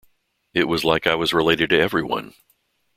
It was like I was related to everyone.